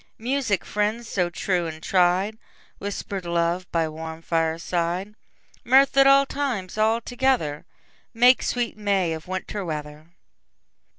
Music, friends so true and tried, Whisper'd love by warm fireside, Mirth at all times all together, Make sweet May of Winter weather.